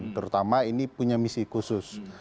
yang pertama ini punya misi khusus